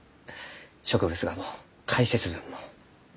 植物画も解説文も。